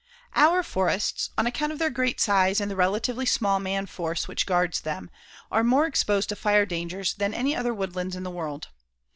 Our forests, on account of their great size and the relatively small man force which guards them, are more exposed to fire dangers than any other woodlands in the world.